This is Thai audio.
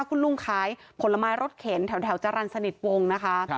คุณลุงขายผลไม้รถเข็นแถวจรรย์สนิทวงนะคะ